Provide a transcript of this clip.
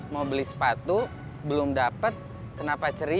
mau beli sepatu belum dapat kenapa cerita